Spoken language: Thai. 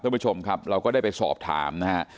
ท่านผู้ชมครับเราก็ได้ไปสอบถามนะครับ